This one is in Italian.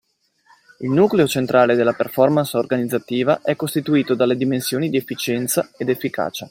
Il nucleo centrale della performance organizzativa è costituito dalle dimensioni di efficienza ed efficacia.